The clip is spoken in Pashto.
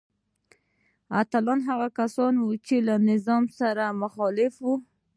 اتلان هغه کسان وو چې له نظام سره مخالف وو.